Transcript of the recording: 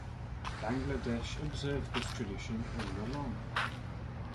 Bangladesh observed this tradition all along.